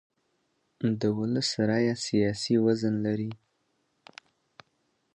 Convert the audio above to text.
د ولس رایه سیاسي وزن لري